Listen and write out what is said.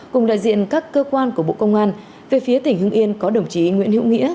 cùng đại diện các cơ quan của bộ công an về phía tỉnh hưng yên có đồng chí nguyễn hữu nghĩa